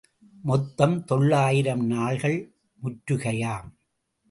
மொத்தம் தொள்ளாயிரம் நாள்கள் முற்றுகையாம்.